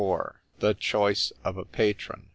THE CHOICE OF A PATRON.